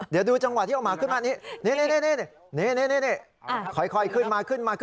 เดี๋ยวดูจังหวะที่เอาหมาขึ้นมานี่